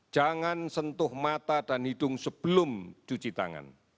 jangan sentuh mata dan hidung sebelum cuci tangan